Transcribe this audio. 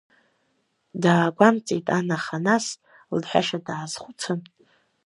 Даагәамҵит, ан, аха нас, лҳәашьа даазхәыцын…